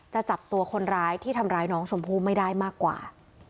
จะจับตัวคนร้ายที่ทำร้ายน้องชมพู่ไม่ได้มากกว่า